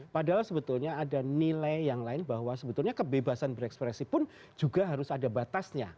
padahal sebetulnya ada nilai yang lain bahwa sebetulnya kebebasan berekspresi pun juga harus ada batasnya